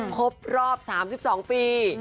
ครบรอบ๓๒ปี